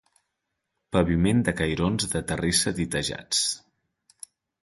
Paviment de cairons de terrissa ditejats.